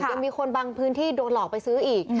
ยังมีคนบางพื้นที่โดนหลอกไปซื้ออีก